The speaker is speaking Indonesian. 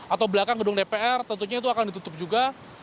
atau belakang gedung dpr tentunya itu akan ditutup juga